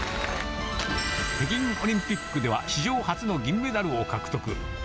北京オリンピックでは史上初の銀メダルを獲得。